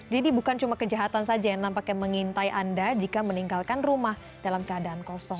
jadi bukan cuma kejahatan saja yang nampaknya mengintai anda jika meninggalkan rumah dalam keadaan kosong